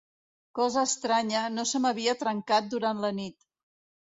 Cosa estranya, no se m'havia trencat durant la nit.